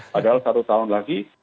padahal satu tahun lagi